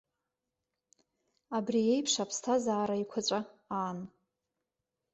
Абри еиԥш аԥсҭазаара еиқәаҵәа аан.